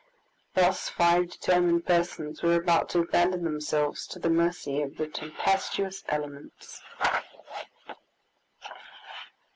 Thus five determined persons were about to abandon themselves to the mercy of the tempestuous elements!